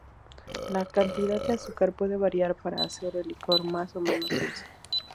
La cantidad de azúcar puede variar para hacer el licor más o menos dulce.